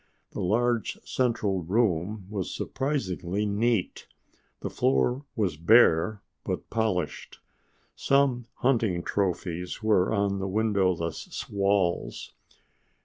The large central room was surprisingly neat. The floor was bare but polished. Some hunting trophies were on the windowless walls.